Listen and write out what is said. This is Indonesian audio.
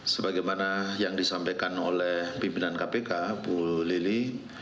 sebagaimana yang disampaikan oleh pimpinan kpk bu lili